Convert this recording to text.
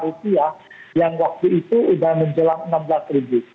rupiah yang waktu itu sudah menjelang rp enam belas ribu